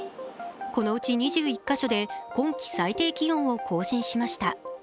このうち２１か所で今季最低気温を更新しました。